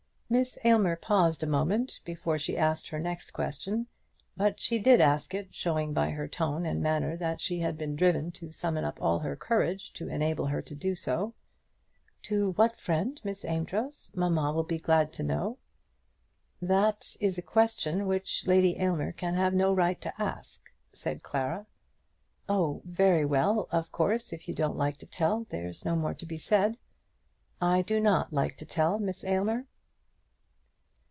Miss Aylmer paused a moment before she asked her next question; but she did ask it, showing by her tone and manner that she had been driven to summon up all her courage to enable her to do so. "To what friend, Miss Amedroz? Mamma will be glad to know." "That is a question which Lady Aylmer can have no right to ask," said Clara. "Oh; very well. Of course, if you don't like to tell, there's no more to be said." "I do not like to tell, Miss Aylmer."